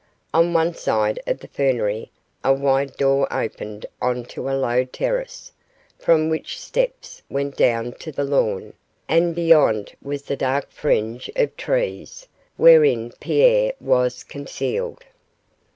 On one side of the fernery a wide door opened on to a low terrace, from whence steps went down to the lawn, and beyond was the dark fringe of trees wherein Pierre was concealed.